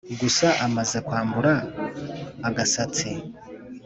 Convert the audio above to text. gusa amaze kumwambura agashati